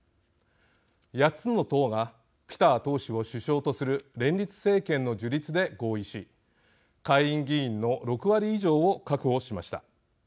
８つの党がピター党首を首相とする連立政権の樹立で合意し下院議員の６割以上を確保しました。